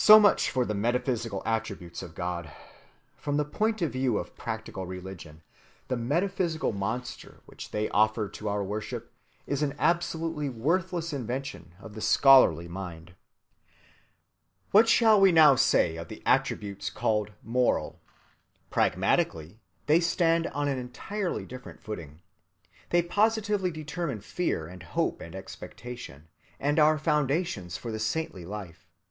So much for the metaphysical attributes of God! From the point of view of practical religion, the metaphysical monster which they offer to our worship is an absolutely worthless invention of the scholarly mind. ‐‐‐‐‐‐‐‐‐‐‐‐‐‐‐‐‐‐‐‐‐‐‐‐‐‐‐‐‐‐‐‐‐‐‐‐‐ What shall we now say of the attributes called moral? Pragmatically, they stand on an entirely different footing. They positively determine fear and hope and expectation, and are foundations for the saintly life.